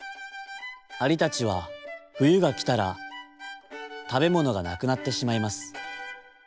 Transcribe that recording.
アリたちは「ふゆがきたらたべものがなくなってしまいます。